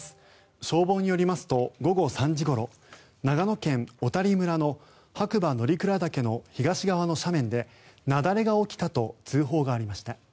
消防によりますと午後３時ごろ長野県小谷村の白馬乗鞍岳の東側の斜面で雪崩が起きたと通報がありました。